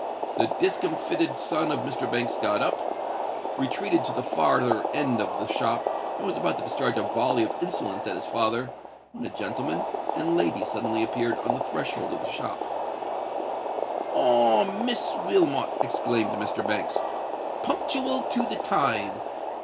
The discomfited son of Mr. Banks got up, retreated to the farther end of the shop, and was about to discharge a volley of insolence at his father when a gentleman and lady suddenly appeared on the threshold of the shop. "Ah! Miss Wilmot," exclaimed Mr. Banks: "punctual to the time!